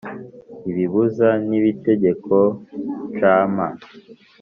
ibibuza n’ibitegeko cm